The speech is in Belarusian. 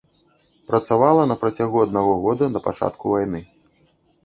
Працавала на працягу аднаго года да пачатку вайны.